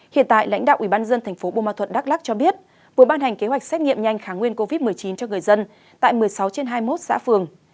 hiện tại lãnh đạo ubnd tp buôn ma thuật đắk lắc cho biết vừa ban hành kế hoạch xét nghiệm nhanh kháng nguyên covid một mươi chín cho người dân tại một mươi sáu trên hai mươi một xã phường